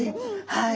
はい。